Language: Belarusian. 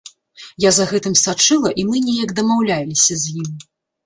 Я за гэтым сачыла і мы неяк дамаўляліся з ім.